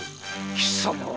貴様は？